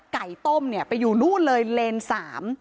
ไก่ต้มไปอยู่รุ่นเลยเลนสาม